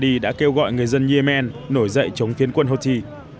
ra đi đã kêu gọi người dân yemen nổi dậy chống phiến quân houthi